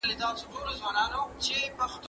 خپلواکي هم په ټولنه کې حدود لري.